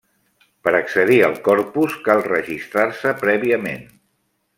Per accedir al corpus cal registrar-se prèviament.